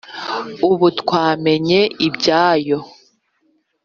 ubu twamenye ibyayo